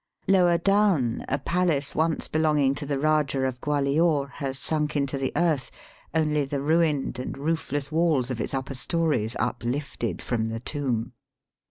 Lower down, a palace once belonging to the Eajah of Gwalior has sunk into the earth, only the ruined and roofless waUs of its upper stories upKfted from the tomb.